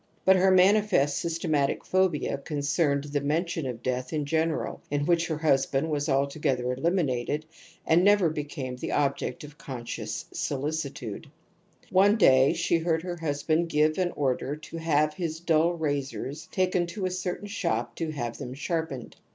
But her manifest systematic phobia concerned the mention of death in general, in which her husband was altogether eliminated »• p. 26. 160 TOTEM AI«) TABOO and never became the object of conscious solicitude. One day she heard her husband give an order to have his dull razors taken to a certain shop to have them sharpened.